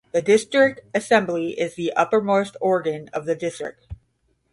The district assembly is the uppermost organ of the distric.